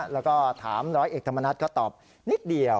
แล้วก็ถามร้อยเอกธรรมนัฐก็ตอบนิดเดียว